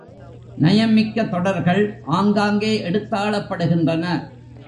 நயம் மிக்க தொடர்கள் ஆங்காங்கே எடுத்தாளப் படுகின்றன.